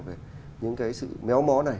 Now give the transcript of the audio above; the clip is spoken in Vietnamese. về những cái sự méo mó này